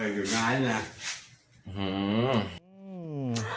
อยู่นานนี่แหละ